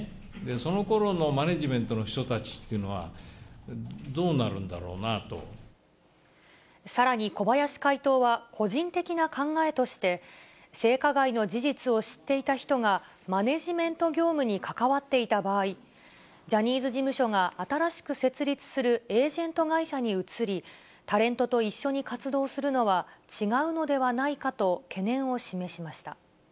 そのころのマネジメントの人たちっていうのはどうなるんだろうなさらに小林会頭は、個人的な考えとして、性加害の事実を知っていた人が、マネジメント業務に関わっていた場合、ジャニーズ事務所が新しく設立するエージェント会社に移り、タレントと一緒に活動するのは違うのではないかと懸念を示しました。